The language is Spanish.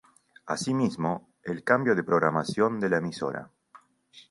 Asimismo, es el cambio de programación de la emisora.